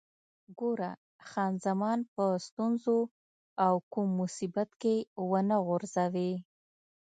ګوره، خان زمان په ستونزو او کوم مصیبت کې ونه غورځوې.